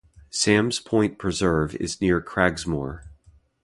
Sam's Point Preserve is near Cragsmoor.